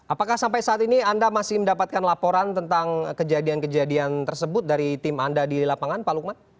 apakah sampai saat ini anda masih mendapatkan laporan tentang kejadian kejadian tersebut dari tim anda di lapangan pak lukman